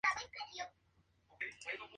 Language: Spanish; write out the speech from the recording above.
Así es la introducción del documental.